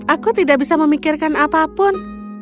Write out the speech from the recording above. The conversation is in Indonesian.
aku tidak bisa memikirkan apapun